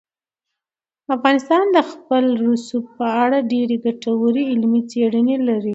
افغانستان د خپل رسوب په اړه ډېرې ګټورې علمي څېړنې لري.